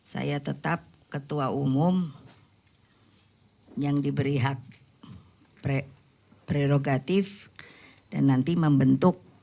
saya tetap ketua umum yang diberi hak prerogatif dan nanti membentuk